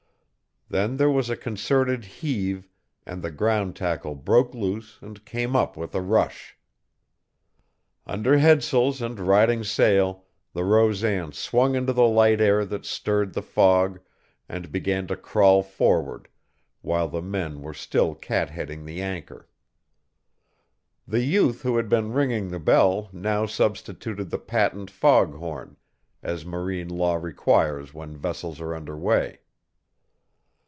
Then there was a concerted heave and the ground tackle broke loose and came up with a rush. Under headsails and riding sail the Rosan swung into the light air that stirred the fog and began to crawl forward while the men were still cat heading the anchor. The youth who had been ringing the bell now substituted the patent fog horn, as marine law requires when vessels are under way.